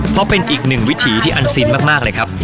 เพราะเป็นอีกหนึ่งวิถีที่อันซีนมากเลยครับ